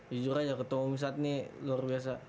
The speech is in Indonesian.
jujur aja ketua umum saat ini luar biasa